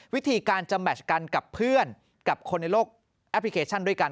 วิธีการจะแมชกันกับเพื่อนกับคนในโลกแอปพลิเคชันด้วยกัน